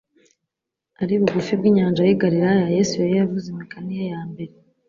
Ari bugufi bw'inyanja y'i Galilaya, Yesu yari yavuze imigani ye ya mbere,